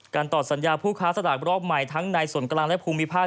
ตอบสัญญาผู้ค้าสลากรอบใหม่ทั้งในส่วนกลางและภูมิภาค